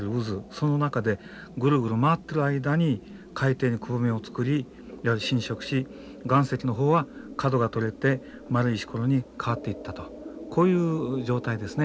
その中でグルグル回ってる間に海底にくぼみを作り浸食し岩石の方は角が取れて丸い石ころに変わっていったとこういう状態ですね。